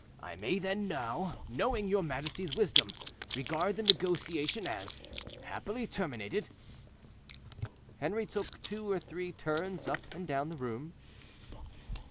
I may then, now, knowing your majesty's wisdom, regard the negotiation as happily terminated." Henri took two or three turns up and down the room.